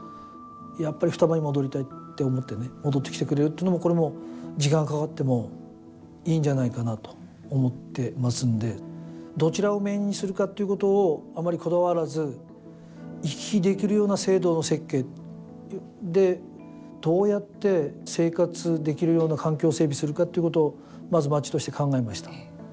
やっぱり双葉に戻りたいと思って戻ってきてくれるというのもこれも時間がかかってもいいんじゃないかなと思ってますので、どちらをメインにするかということをあまりこだわらず行き来できるような制度の設計でどうやって生活できるような環境を整備するかということをまず町として考えました。